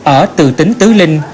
ở từ tính tứ linh